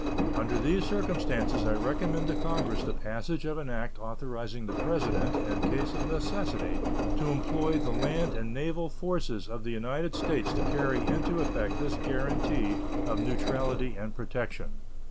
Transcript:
Under these circumstances I recommend to Congress the passage of an act authorizing the President, in case of necessity, to employ the land and naval forces of the United States to carry into effect this guaranty of neutrality and protection.